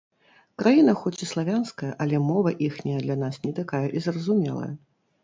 Краіна хоць і славянская, але мова іхняя для нас не такая і зразумелая.